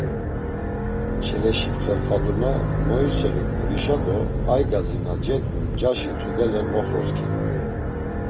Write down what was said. Çeleşipxe Fadume moiselu ǩulişa do aygazi na cedgun mcaşi tudele noxrosǩinu.